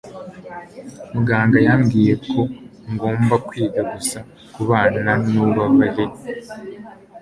Muganga yambwiye ko ngomba kwiga gusa kubana nububabare.